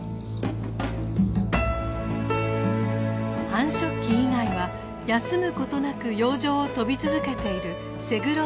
繁殖期以外は休むことなく洋上を飛び続けているセグロ